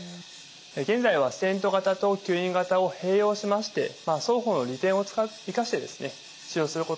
現在はステント型と吸引型を併用しまして双方の利点を生かしてですね使用することも多くあります。